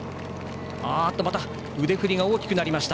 また腕振りが大きくなりました。